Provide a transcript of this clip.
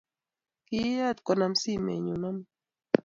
Kieet konam sime nyu amut